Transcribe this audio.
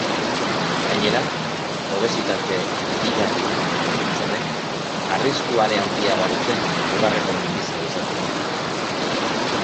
Gainera, obesitate erigarria duten pertsonek arrisku are handiagoa dute bularreko minbizia izateko.